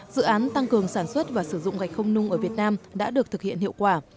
dự án tăng cường sản xuất và sử dụng gạch không nung ở việt nam đã được thực hiện hiệu quả